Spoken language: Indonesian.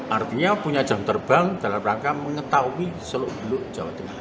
artinya punya jam terbang dalam rangka mengetahui seluk beluk jawa tengah